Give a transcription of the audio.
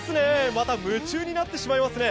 また夢中になってしまいますね。